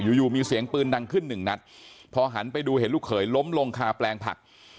อยู่อยู่มีเสียงปืนดังขึ้นหนึ่งนัดพอหันไปดูเห็นลูกเขยล้มลงคาแปลงผัก